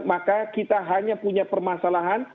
maka kita hanya punya permasalahan